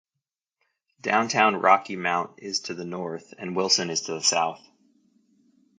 Downtown Rocky Mount is to the north, and Wilson is to the south.